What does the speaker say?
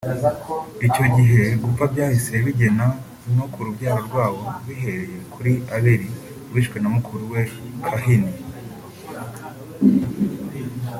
icyo gihe gupfa byahise bigera no ku rubyaro rwabo bihereye kuri Aberi wishwe na mukuru we Kahini